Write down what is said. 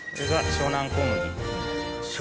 湘南小麦。